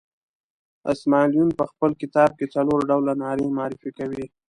اسماعیل یون په خپل کتاب کې څلور ډوله نارې معرفي کوي.